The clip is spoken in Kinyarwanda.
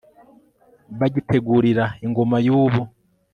bagitegurira ingoma y'ubu